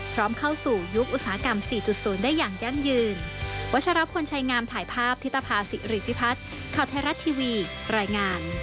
เข้าสู่ยุคอุตสาหกรรม๔๐ได้อย่างยั่งยืน